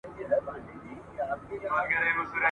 ادبي محفلونو کي یې شعرونه لوستل !.